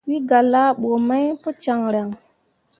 Wǝ gah laaɓu mai pu caŋryaŋ.